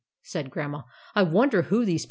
" said Grandma. " I wonder who these people are."